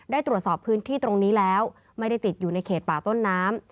ได้ตรวจสอบพื้นที่ตรงนี้แล้วไม่ได้ติดอยู่ในเขตป่าต้นน้ำ